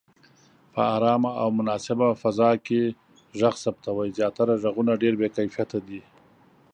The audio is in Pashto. په آرامه او مناسبه فضا کې غږ ثبتوئ. زياتره غږونه ډېر بې کیفیته دي.